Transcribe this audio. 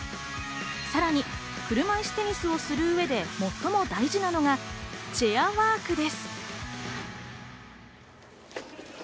さらに車いすテニスをする上で最も大事なのがチェアワークです。